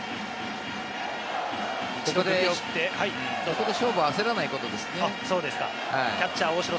ここで勝負を焦らないことですね。